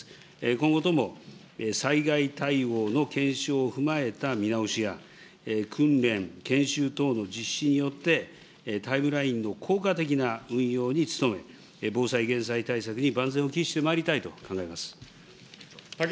今後とも災害対応の検証を踏まえた見直しや、訓練、研修等の実施によって、タイムラインの効果的な運用に努め、防災・減災対策に万全を期してまいりたいと考えます。